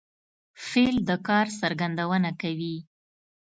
فعل د کار څرګندونه کوي.